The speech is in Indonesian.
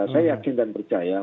saya yakin dan percaya